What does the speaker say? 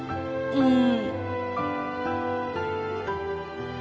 うん。